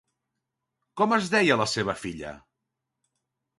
Com es deia la seva filla?